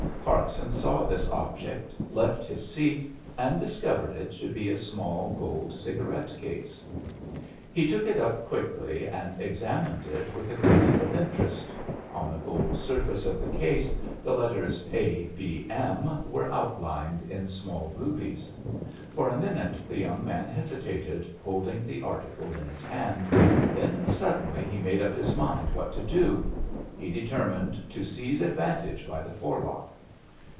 Parkson saw this object, left his seat, and discovered it to be a small gold cigarette case. He took it up quickly and examined it with a good deal of interest. On the gold surface of the case the letters "A.B.M." were outlined in small rubies. For a minute the young man hesitated, holding the article in his hand; then suddenly he made up his mind what to do. He determined to seize advantage by the forelock.